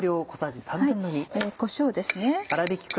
こしょうです。